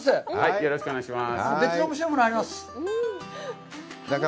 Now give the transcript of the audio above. よろしくお願いします。